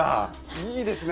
いいですね